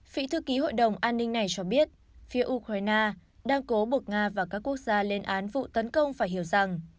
vị thư ký hội đồng an ninh này cho biết phía ukraine đang cố buộc nga và các quốc gia lên án vụ tấn công phải hiểu rằng